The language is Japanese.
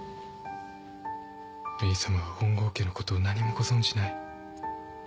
メイさまは本郷家のことを何もご存じない。